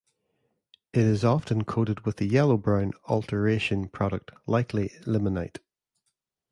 It is often coated with a yellow-brown alteration product, likely limonite.